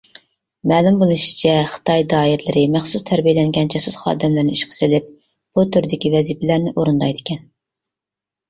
مەلۇم بولۇشىچە خىتاي دائىرىلىرى مەخسۇس تەربىيەلەنگەن جاسۇس خادىملىرىنى ئىشقا سېلىپ بۇ تۈردىكى ۋەزىپىلەرنى ئورۇندايدىكەن.